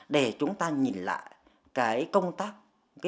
để chúng ta nhìn lại công tác